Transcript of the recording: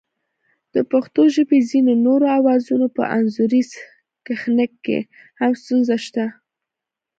د پښتو ژبې ځینو نورو آوازونو په انځوریز کښنګ کې هم ستونزه شته